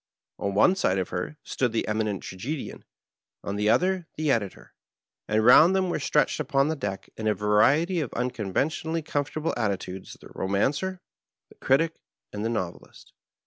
On one side of her stood the Eminent Tragedian, on Uie other the Editor, and round them were stretched npon the deck in a variety of nnconven= tionally comfortable attitudes the Romancer, the Critic, and the Novelist.